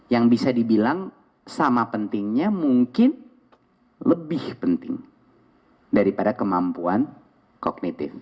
yang bisa dibilang sama pentingnya mungkin lebih penting daripada kemampuan kognitif